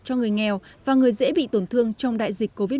cho người nghèo và người dễ bị tổn thương trong đại dịch covid một mươi chín